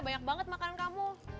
banyak banget makanan kamu